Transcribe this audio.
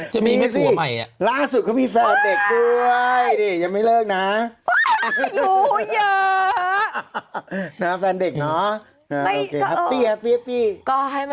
จะมีแม่ผัวใหม่